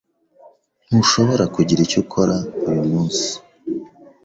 Ntushobora kugira icyo ukora uyu munsi.